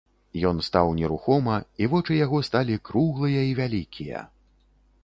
Ён стаў нерухома, і вочы яго сталі круглыя і вялікія.